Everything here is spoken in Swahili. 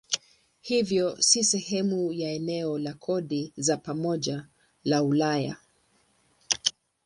Hivyo si sehemu ya eneo la kodi za pamoja la Ulaya.